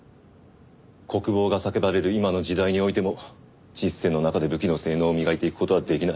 国防が叫ばれる今の時代においても実戦の中で武器の性能を磨いていく事はできない。